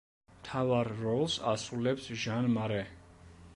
მთავარ როლს ასრულებს ჟან მარე.